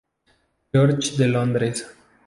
George de Londres.